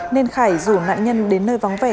nên khải rủ nạn nhân đến nơi vắng vẻ